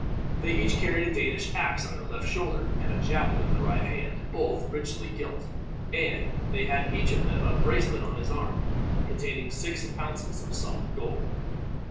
They each carried a Danish axe on the left shoulder, and a javelin in the right hand, both richly gilt, and they had each of them a bracelet on his arm, containing six ounces of solid gold.